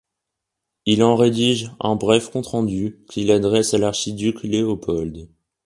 Il en rédige un bref compte rendu qu’il adresse à l’archiduc Léopold.